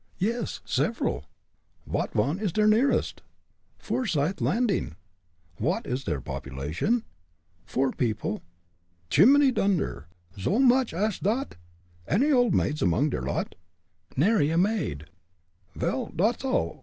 "Yes, several." "Vot one is der nearest?" "Forsyth Landing." "Vot is der population?" "Four people." "Shimminy dunder! So mooch ash dot? Any old maids among der lot?" "Nary a maid!" "Vel, dot's all.